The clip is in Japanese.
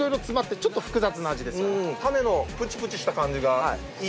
種のプチプチした感じがいいですね。